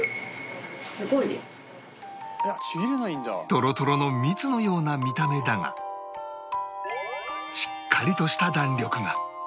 トロトロの蜜のような見た目だがしっかりとした弾力が